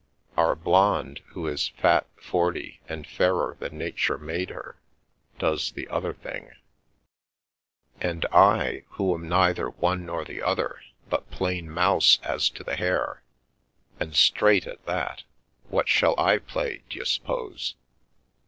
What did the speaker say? Our blonde, who is fat, forty, and fairer than nature made her, does the other thing." " And I, who'm neither one nor the other, but plain mouse as to the hair, and straight at that, what shall I play, d'you suppose?"